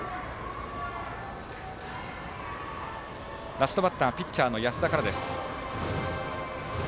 ラストバッターピッチャーの安田からです。